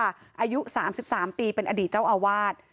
อายุ๓๓ปีเป็นอดีตเจ้าอาวาส